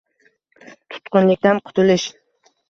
Tutqunlikdan qutulish